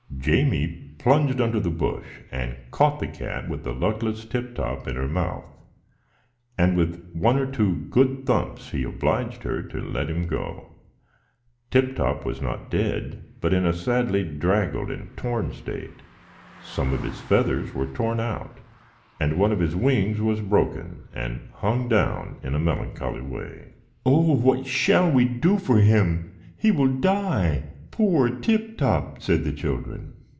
Jamie plunged under the bush, and caught the cat with luckless Tip Top in her mouth; and, with one or two good thumps, he obliged her to let him go. Tip Top was not dead, but in a sadly draggled and torn state. Some of his feathers were torn out, and one of his wings was broken, and hung down in a melancholy way. "Oh, what shall we do for him? He will die. Poor Tip Top!" said the children.